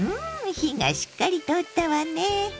火がしっかり通ったわね。